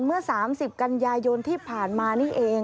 เมื่อ๓๐กันยายนที่ผ่านมานี่เอง